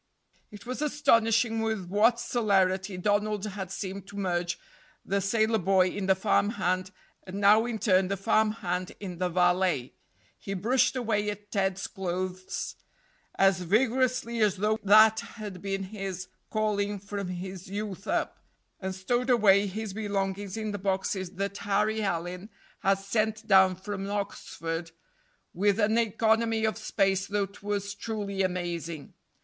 It was astonishing with what celerity Donald had seemed to merge the sailor boy in the farm hand, and now in turn the farm hand in the valet. He brushed away at Ted's clothes as vigorously as though that had been his calling from his youth up, and stowed away his belongings in the boxes that Harry Allyn had sent down from Oxford with an economy of space that was truly amazing.